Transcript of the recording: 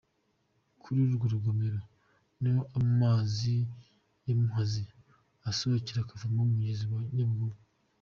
Kuri urwo rugomero niho amazi ya Muhazi asohokera akavamo umugezi wa Nyabugogo.